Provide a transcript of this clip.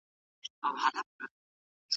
سیاست د ټولنې لپاره یوه هڅه ده.